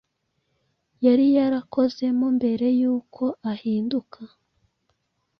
yari yarakozemo mbere y’uko ahinduka.